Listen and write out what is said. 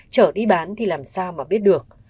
chở đi bán thì làm sao mà biết được